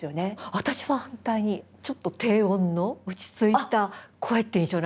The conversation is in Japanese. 私は反対にちょっと低音の落ち着いた声って印象なんですよ。